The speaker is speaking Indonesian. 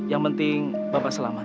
yang penting bapak selamat